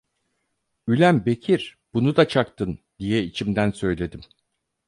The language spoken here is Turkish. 'Ülen Bekir, bunu da çaktın!' diye içimden söyledim.